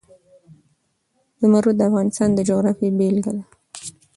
زمرد د افغانستان د جغرافیې بېلګه ده.